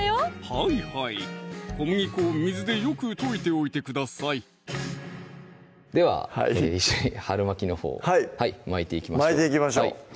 はいはい小麦粉を水でよく溶いておいてくださいでは一緒に春巻きのほう巻いていきましょう巻いていきましょう